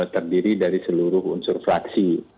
terdiri dari seluruh unsur fraksi